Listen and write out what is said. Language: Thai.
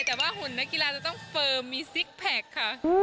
แต่ว่าหุ่นนักกีฬาจะต้องเฟิร์มมีซิกแพคค่ะ